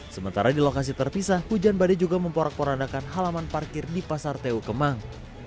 sementara di lokasi terpisah hujan badai juga memporak porandakan halaman parkir di pasar tu kemang